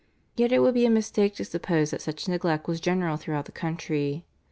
Yet it would be a mistake to suppose that such neglect was general throughout the country.